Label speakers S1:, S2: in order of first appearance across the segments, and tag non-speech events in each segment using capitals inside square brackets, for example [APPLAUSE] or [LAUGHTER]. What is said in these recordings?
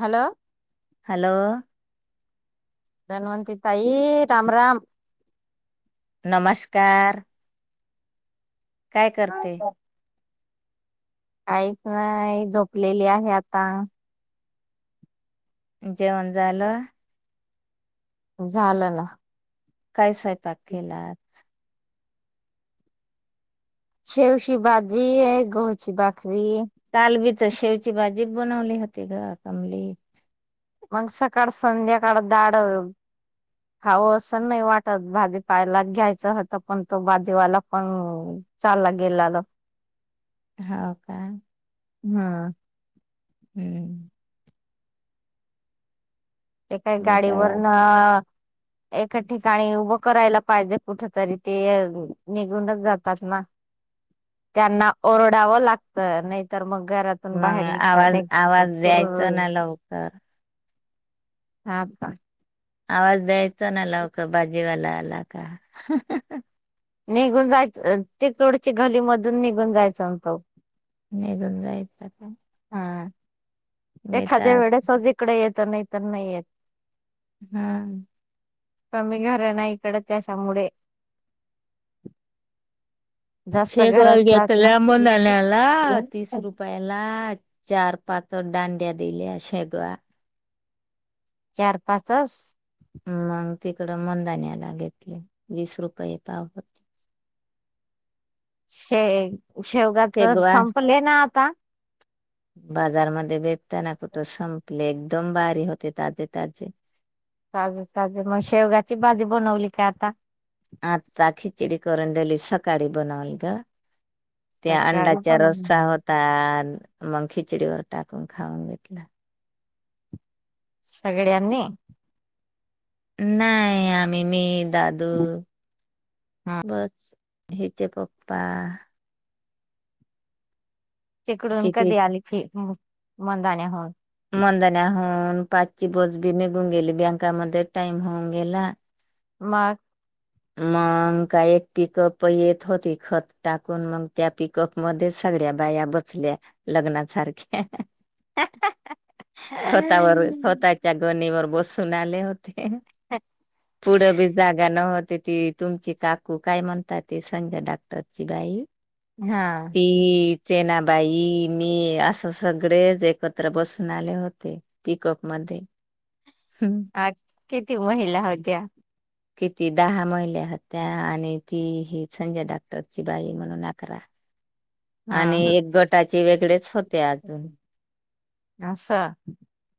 S1: Hello.
S2: Hello.
S1: Dhanwanti ताई, राम राम.
S2: नमस्कार. काय करते?
S1: आई काय झोपलेली आहे आता.
S2: जेवण झालं?
S1: झालंना.
S2: काय स्वयंपाक केला आज?
S1: शेवशी बाजी हाय, गहूची बाक री.
S2: काल बी तर शेवची भाजी बनवली होती गं कमली.
S1: मग सकाळ संध्याकाळ दाड खावं असं नाही वाटत. भाजीपाला घ्यायचा होता, पण तो भाजीवालापण चालला गेलालं.
S2: हो का?
S1: हम्म.
S2: हम्म.
S1: ते काही
S2: मी काय
S1: गाडीवरनं एका ठिकाणी उभं करायला पाहिजे कुठतरी ते, निघूनच जातात ना. त्यांना ओरडावं लागतं, नाहीतर मग घरातून
S2: मग
S1: बाहेर निघता
S2: आवाज
S1: निघता
S2: आवाज द्यायचं
S1: पूर्ण
S2: ना लवकर?
S1: हा का?
S2: आवाज द्याय चना लवकर. भाजीवाला ला का
S1: निघून जायचं ते रोडची गाडी मधून निघून जायचं होत.
S2: निघून जायचं का?
S1: हां एखाद्या
S2: देतात
S1: वेळेसच इकडे येत तर मी तर नाही येत
S2: हां
S1: कमी घर ना इकडं त्याच्यामुळे. जास्त घरात
S2: शेगवाल
S1: जात ना
S2: घेतल्या मन [UNINTELLIGIBLE] आल्याला तीस रुपयाला चार पातं दांड्या दिल्या शेगवा
S1: चार पाचंच
S2: मग तिकडं मंदानला घेतले वीस रुपये पाव होते.
S1: शे शेवगा तर
S2: शेगवा
S1: संपले ना का
S2: बाजारमध्ये भेटता ना कुठं संपले एकदम भारी होते ताजे ताजे.
S1: ताजे ताजे मग शेवगाची भाजी बनवली काय आता?
S2: आता खिचडी करून दिली सकाळी बनवल ग. त्या
S1: सकाळी
S2: अंड्याच्या रस्सा
S1: बनवली
S2: होता. मग खिचडीवर टाकून खाऊन घेतला.
S1: सगळ्यांनी
S2: नाही आम्ही, मी दादू बस. हेजे पप्पा
S1: तिकडून
S2: किती
S1: कधी आली फि मंदान होवून
S2: मंदण्या होन पाचची बस बी निघून गेली बँकामध्ये टाइम होऊन गेला.
S1: मग
S2: मग काय एक पिकप येत होते त्या पिकप मध्येच सगळ्या पाया बसल्या लग्नासारखे स्वतःवर स्वतःच्या गोणीवर बसून आले होते. पुढं बी जागा न होत ती तुमची काकू काय म्हणतात ते संघ्या डाक्टरची बाई
S1: हा
S2: ती सेनाबाई मी असं सगळेच एकत्र बसून आले होते पिकअप मध्ये. हम्म.
S1: आ किती महिला होत्या?
S2: किती दहा महिल्या होत्या आणि तीही संजय डाक्टरची बाई म्हणून अकरा
S1: हा
S2: आणि एक गटाचे वेगळेच होते अजून
S1: हा असं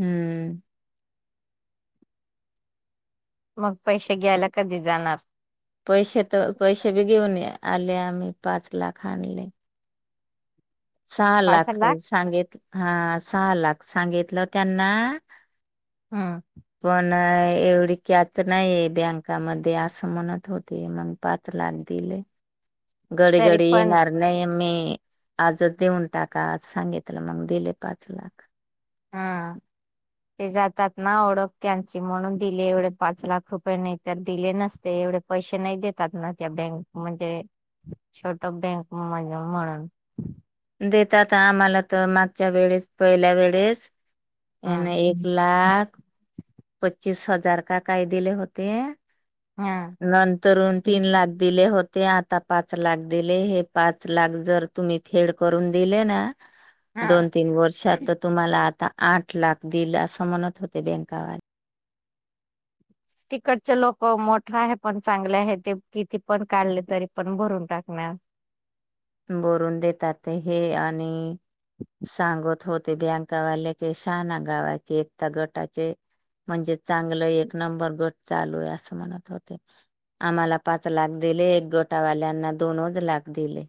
S2: हम्म. हम् [UNINTELLIGIBLE]
S1: मग पैसे घ्यायला कधी जाणार?
S2: पैसे तर पैसे बी घेऊन या आले आम्ही पाच लाख आणले. सहा लाख सांगितले हा सहा लाख सांगितलं त्यांना.
S1: हा.
S2: नाही एवढी कॅच नाहीय बँकामध्ये असं म्हणत होते, मग पाच लाख दिले. गडी
S1: तरी
S2: गडी
S1: पण
S2: येणार नाही मी. आजच देऊन टाका सांगितलं मग दिले पाच लाख.
S1: हा ते जातात ना ओळख त्यांची म्हणून दिले एवढे पाच लाख रुपये. नाही तर दिले नसते एवढे पैसे नाही देतात ना त्या बँक म्हणजे छोट बँक म्हण म्हणून.
S2: देतात आम्हाला तर मागच्या वेळेस पहिल्या वेळेस,
S1: हा
S2: एने एक लाख पच्चीस हजार का काय दिले होते.
S1: हा
S2: नंतरून तीन लाख दिले हो ते आता पाच लाख दिले हे पाच लाख जर तुम्ही थेड करून दिले ना
S1: हा
S2: दोन तीन वर्षात तर तुम्हाला आता आठ लाख दिल असं म्हणत होते बँकावाले.
S1: तिकडचे लोक मोठा आहे पण चांगले आहे ते किती पण काढले तरी पण भरून टाकणार.
S2: बरून देतात हे आणि सांगत होते, बँकावाले क शहाान गावाचे एकता गटाचे म्हणजे चांगलं एक नंबर गट. चालू आहे, असं म्हणत होते आम्हाला पाच लाख दिले. एक गोटावाल्यांना दोनच लाख दिले.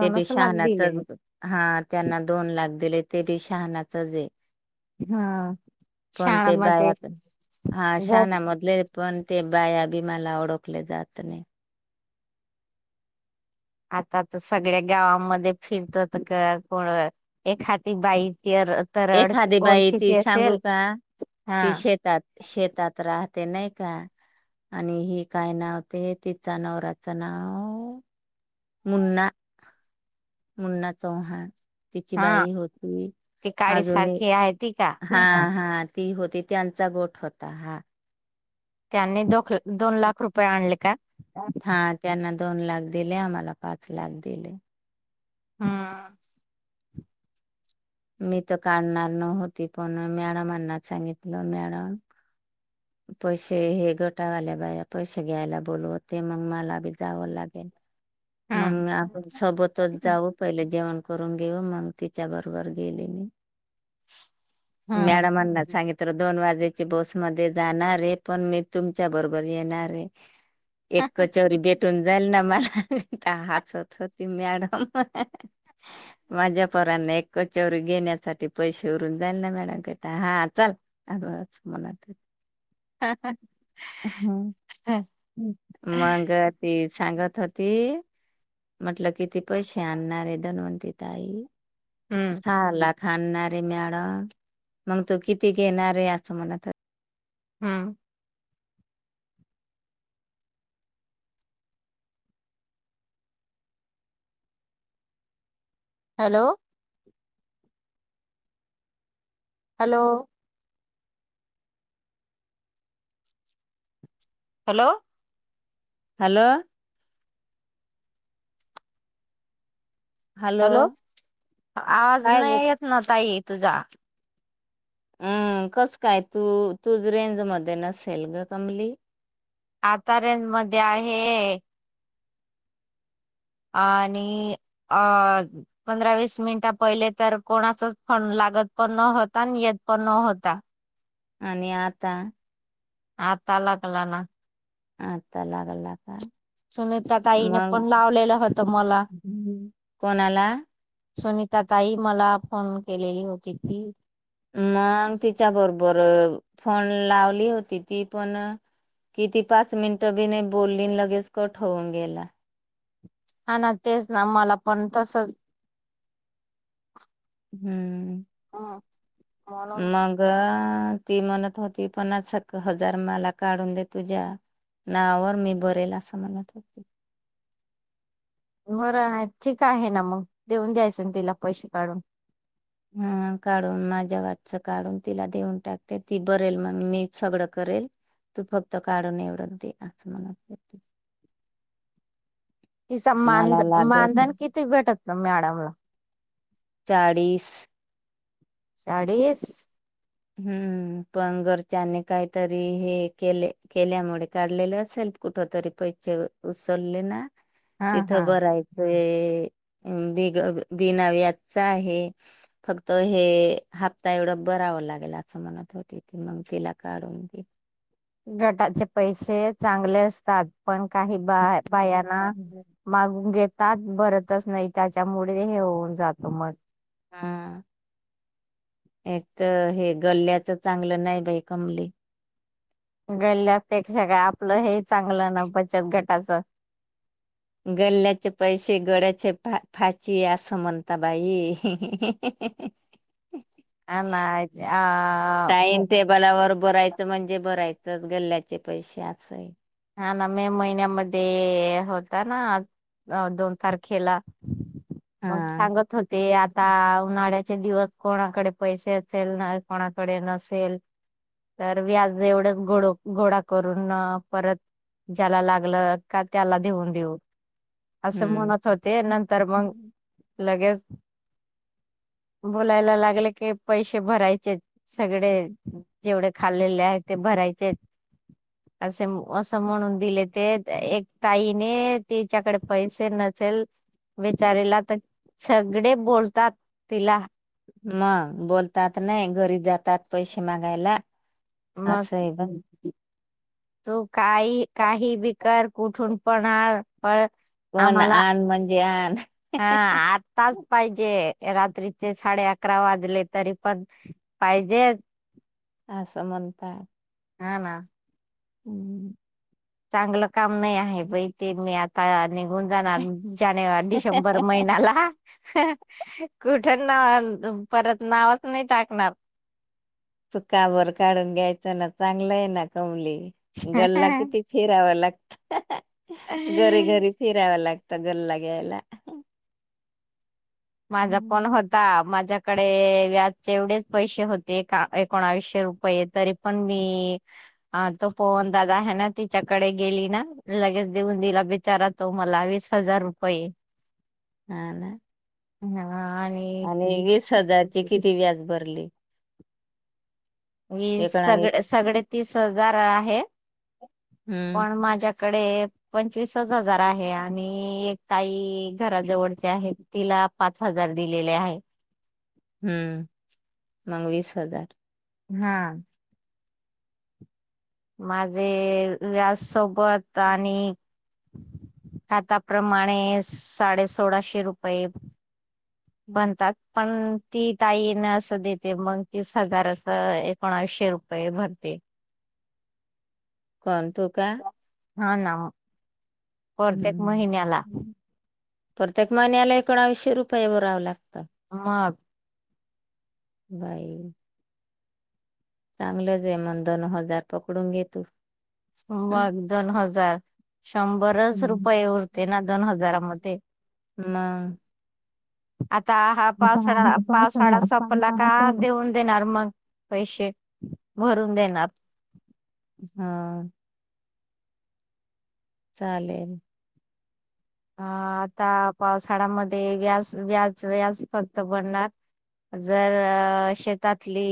S2: ते बी
S1: लागली
S2: शहानाचच हा त्यांना दोन लाख दिले. ते बी शहाणाच देे
S1: हा
S2: पण ते
S1: शाळामध्ये
S2: बाया हा
S1: गट
S2: शहाणामधले पण! ते बाया बी मला ओळखले जात नाही.
S1: आता तर सगळ्या गावामध्ये फिरत का कोण एखाती बाई! ती तर अडखी
S2: एखादी बाई ती
S1: ओळखीची
S2: सांगू
S1: असेल
S2: का
S1: हा
S2: ती शेतात शेतात राहते. ते नाही का आणि हि काय नावते तिचा नवराचं नाव? मुन्ना! मुन्ना चौहान. तिची
S1: हा
S2: बाई होती
S1: ती काळी
S2: अजून
S1: सारखी आहे ती का
S2: हा हा. ती होती त्यांचा गोठ होता हा.
S1: त्यांनी दो दोन लाख रुपये आणले का?
S2: हा त्यांना दोन लाख दिले. आम्हाला पाच लाख दिले.
S1: ह
S2: मी तर काढणार न होती, पण मॅडमांना सांगितलं मॅडम पैसे हे गटावाल्या बा पैसे घ्यायला बोलवते मग मला बी जावं लागेल.
S1: हम्म
S2: मग आपण सोबतच जाऊ पहिले जेवण करून घेऊ मग तिच्या बरोबर गेले मी
S1: हम्म
S2: मॅडमांना सांगित तर दोन वाजेची बसमध्येध्ये जाणारे पण मी तुमच्या बरोबर येणारे एक कचवरी भेटून जाईल ना मला हचत होती मॅडम माझ्या पांना कचोरी घेण्यासाठी पैसे उरून जाईल ना मॅडम घता हा चल अ मनात हो मग तेी सांगत होते ती म्हटल किती पैसे आणणारे धन्वंती ताई
S1: हम्म
S2: ल थांानणारे मॅडम मग तो किती घेणारे असं मला तर
S1: हम्म hello hello hello
S2: hello
S1: hello आवाज
S2: काय ग
S1: नाही येत ना ताईत तु जा
S2: अं कस काय तू तू रेंज मध्ये नसेल ग कमली
S1: आता रेंन्ज मध्ये आहे आणि अ पंधरा वीस मिनिट पहिले तर कोणाचच फोन लागत पण न होता आणि येत पण न होता
S2: आणि आता
S1: आता लागला ना
S2: आता लागला का
S1: सुनीता ताईने
S2: मग
S1: पण लावलेलं होतं मला
S2: कोणाला
S1: सुनीता ताई मला फोन केलेली होती ती
S2: मग तिच्या बरोबर फोन लावली होती ती पण किती पाच मिनटं बी नाही बोलली लगेच कट होऊन गेला
S1: हा ना तेच ना मला पण तस
S2: हम्म [INAUDIBLE]
S1: हा [INAUDIBLE]
S2: मग ती म्हणत होती पन्नास हजार मला काढून दे तुझ्या नावावर मी बरेल असं म्हणत होते
S1: बरं आहे ठीक आहे ना मग देऊन द्यायचं ना तिला पैसे काढून
S2: हा काढून माझ्या वाटच काढून तिला देऊन टाकते ती बरेल मग मी सगळं करेल तू फक्त काढून एवडून ते असं म्हणत
S1: तिचा माध
S2: मला लागत
S1: मानधन किती भेटत मॅडम ला
S2: चाळीस
S1: चाळीस
S2: हम्म पण घरच्यांनी काहीतरी हे केले केल्यामुळे काढलेले असेल कुठ तरी पैसे उचलले ना.
S1: हा हा.
S2: तिथं भरायचे. बिनाव याचा आहे फक्त हे हप्ता एवढं भराव लागत. अस म्हणत होती ती मग तिला काढून
S1: गटाचे पैसे चांगले असतात. पण काही बायाना मागून घेतात भरत तच नाही त्याच्यामुळे हे होऊन जातो मग.
S2: हा एक तर हे गल्ल्याचं चांगलं नाही बाई कमली.
S1: गंल्यापेक्षा काय आपलं हे चांगलं ना बचत गट. [INAUDIBLE]
S2: गल्ल्याचे पैसे गळ्याचे फाशी असं म्हणता बाई.
S1: हा ना आ
S2: टाइम टेबलावर भरायचं म्हणजे भरायचं. गल्ल्याचे पैसे असाय
S1: ह ना मे महिन्यामध्ये होता ना अ दोन तारखेला मग
S2: हा
S1: सांगत होते आता उन्हाळ्या चे दिवस कोणाकडे पैसे असेल ना कोणाकडे नसेल तर व्याज एवढं गोळा करून परत ज्याला लागलं का त्याला देऊन देऊ. असं
S2: हम्म.
S1: म्हणत होते नंतर मग लगेच बोलायला लागले की पैसे भरायचेच सगळे जेवढे खाल्लेल्ले आहे ते भरायचे. असे म्हणून दिले ते एक ताईने तिच्याकडे पैसे नसेल बिचारीला तर सगळे बोलतात तिला
S2: मग बोलतात नाही घरी जातात पैसे मागायला.
S1: मग
S2: असंय बग.
S1: तू काही काही बिकर कुठून पण आन पण
S2: पण
S1: आम्हाला
S2: आण म्हणजे आण
S1: हा आत्ताच पाहिजे रात्रीचे साडे अकरा वाजले तरी पण पाहिजेच.
S2: आसं म्हणतात
S1: हा ना.
S2: हम्.
S1: चांगलं काम नाही आहे बाई ते मी आता निघून जाणार. जानेवारी, डिसेंबर महिनाला. कुठ नाव परत नावच नाही टाकणार.
S2: चुका भर काढून घ्यायचं ना चांगलं आहे ना कमली गल्ला किती फिराव लाग घरी घरी फिराव लाग त गल्ला घ्यायला.
S1: माझा पण
S2: हम्म.
S1: होता. माझ्या कडे व्यजचे एवढेच पैसे होते एकोणावीशे रुपये तरी पण मी तो पोवन दादा हे ना तिच्याकडे गेली ना लगेच देऊन दिला बिचारा तो मला वीस हजार रुपये
S2: हा ना
S1: हा
S2: आणि वीस हजारची किती व्याज भरली
S1: वीस
S2: एकोणावीस
S1: सगळे सगडे तीस हजार आहे
S2: हम्म.
S1: पण माझ्याकडे पंचवीसच हजार आहे आणि एक ताई घराजवळचे आहे तिला पाच हजार दिलेले आहे.
S2: हम्म मग वीस हजार
S1: हा माझे व्याज सो प त आणि खाताप्रमाणे साडे सोळाशे रुपये बनतात, पण ती ताईन असं देते मग तीस हजार आसं एकोणावशे रुपये भरते.
S2: कण? तू का?
S1: हा ना परतेक
S2: हम्म.
S1: महिन्याला
S2: प्रत्येक महिन्याला एकोणावीशे रुपये भराव लाग
S1: मग
S2: बाई चांगलं जे म्हण दोन हजार पकडून घे तू हम्म.
S1: समवार दोन हजार शंभरच
S2: हम्म.
S1: रुपये उरते ना
S2: मग
S1: दोन हजारामध्ये [INAUDIBLE] आता हा
S2: आता
S1: पावसाळा
S2: आहे
S1: पावसाळा संपला का
S2: पावसाळा चालू
S1: देऊन देणार मग पैशे भरून देणार
S2: हा चालेल
S1: अ आता पावसाळ्यामध्ये व्याज-व्याज-व्याज फक्त भरणार, जर शेतातली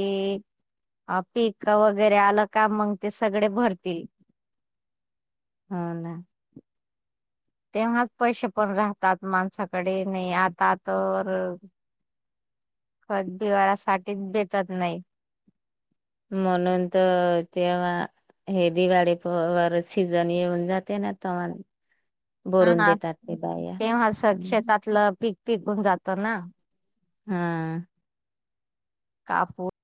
S1: पीक वगैरे आलं का मग ते सगळे भरतील.
S2: ह ना.
S1: तेव्हाच पैसे पण राहतात माणसाकडे नाही आता तर खतबिवारासाठीच बचत नाही.
S2: म्हणून तर तेव्हा हे दिवाळी वर सीजन येऊन जाते ना तवा.
S1: हा ना तेव्हा सग शेतातलं पीक. पिकून जातो ना.
S2: हअ.
S1: कापूस.